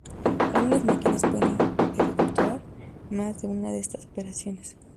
Algunas máquinas pueden efectuar más de una de estas operaciones.